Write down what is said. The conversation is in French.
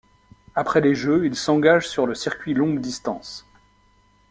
Après les jeux, il s'engage sur le circuit longue distance.